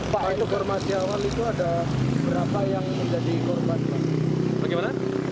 pak informasi awal itu ada berapa yang menjadi korban